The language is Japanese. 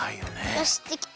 よしできた。